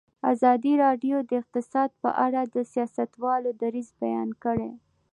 ازادي راډیو د اقتصاد په اړه د سیاستوالو دریځ بیان کړی.